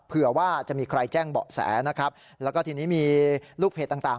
เผื่อว่าจะมีใครแจ้งเบาะแสนะครับแล้วก็ทีนี้มีลูกเพจต่างต่าง